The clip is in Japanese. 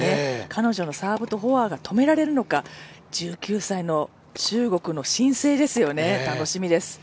彼女のサーブとフォアが止められるのか１９歳の中国の新星ですよね、楽しみです。